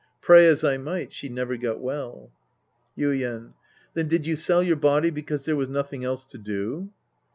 Pray as I might, she never got well. Yuien. Then did you sell your body because there was nothing else to do